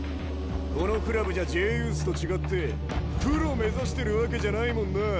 このクラブじゃＪユースと違ってプロ目指してるわけじゃないもんな。